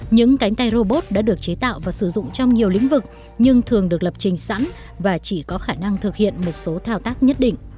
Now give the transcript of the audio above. những cánh tay robot đã được chế tạo và sử dụng trong nhiều lĩnh vực nhưng thường được lập trình sẵn và chỉ có khả năng thực hiện một số thao tác nhất định